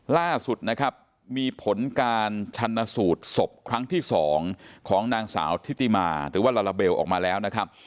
ล่าสุดนะครับมีผลการชันสูตรศพครั้งที่๒ของนางสาวทิติมาหรือว่าลาลาเบลออกมาแล้วนะครับ